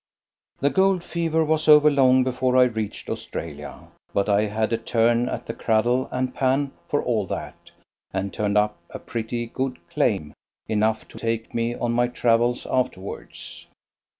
The gold fever was over long before I reached Australia, but I had a turn at the cradle and pan for all that, and turned up a pretty good "claim" enough to take me on my travels afterwards.